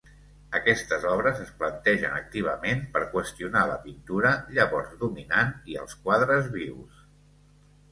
Aquestes obres es plantegen activament per qüestionar la pintura llavors dominant i els quadres vius.